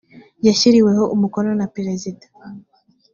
yashyiriweho umukono na perezida